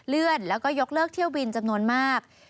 เลื่อนแล้วก็ยกเลิกเที่ยวบินจำนวนมาก